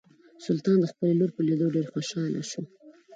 سلطان د خپلې لور په لیدو ډیر خوشحاله شو.